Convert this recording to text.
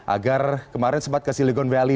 agar kemarin sempat ke silicon valley